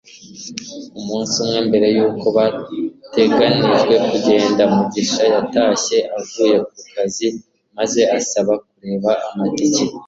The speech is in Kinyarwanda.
Umunsi umwe mbere yuko bateganijwe kugenda, Mugisha yatashye avuye ku kazi maze asaba kureba amatike.